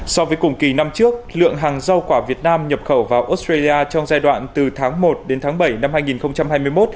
so với cùng kỳ năm trước lượng hàng rau quả việt nam nhập khẩu vào australia trong giai đoạn từ tháng một đến tháng bảy năm hai nghìn hai mươi một